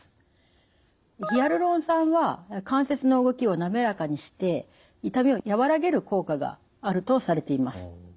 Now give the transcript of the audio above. ヒアルロン酸は関節の動きをなめらかにして痛みを和らげる効果があるとされています。